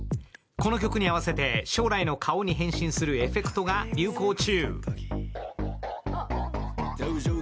この曲に合わせて将来の顔に変身するエフェクトが流行中。